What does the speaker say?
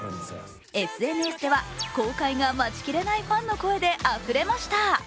ＳＮＳでは公開が待ちきれないファンの声であふれました。